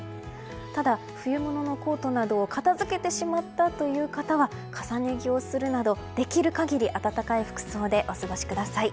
ただ、冬物のコートなどを片付けてしまったという方は重ね着をするなどできる限り暖かい服装でお過ごしください。